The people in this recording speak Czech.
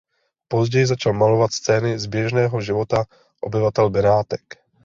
Později začal malovat scény z běžného života obyvatel Benátek.